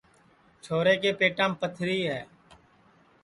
چھورے کے پِتیم پتھری ہے